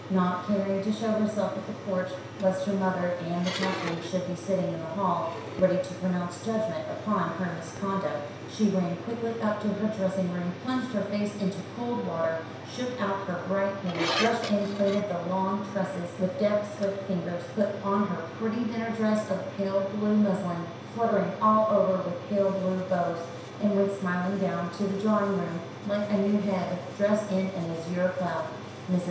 Not caring to show herself at the porch, lest her mother and the Captain should be sitting in the hall, ready to pronounce judgment upon her misconduct, she ran quickly up to her dressing room, plunged her face into cold water, shook out her bright hair, brushed and plaited the long tresses with deft swift fingers, put on her pretty dinner dress of pale blue muslin, fluttering all over with pale blue bows, and went smiling down to the drawing room like a new Hebe, dressed in an azure cloud. Mrs.